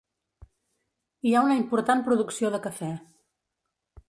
Hi ha una important producció de cafè.